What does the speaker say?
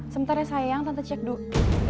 sebentar ya sayang tante cek duit